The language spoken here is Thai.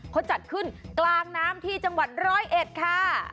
เขาจัดขึ้นกลางน้ำที่จังหวัดร้อยเอ็ดค่ะ